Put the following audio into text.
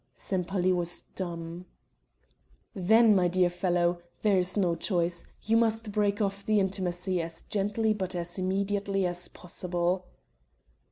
Sempaly was dumb, "Then, my dear fellow, there is no choice; you must break off the intimacy, as gently but as immediately as possible."